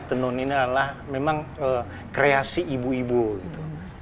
tenun ini adalah memang kreasi ibu ibu gitu